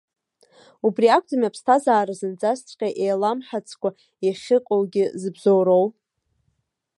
Убри акәӡами аԥсҭазаара зынӡаҵәҟьа еиламҳацкәа иахьыҟоугьы зыбзоуроу?!